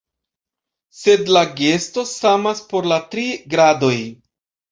Sed la gesto samas por la tri gradoj.